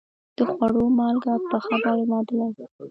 د خوړو مالګه پخه باید معتدله وي.